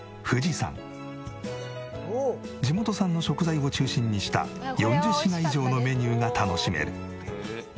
地元産の食材を中心にした４０品以上のメニューが楽しめる。